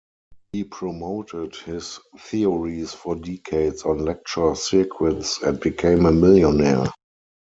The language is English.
He promoted his theories for decades on lecture circuits, and became a millionaire.